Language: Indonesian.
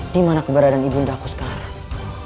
dimana keberadaan ibu undah aku sekarang